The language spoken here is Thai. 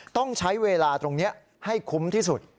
ต้องใช้เวลาตรงนี้ให้คุ้มที่สุด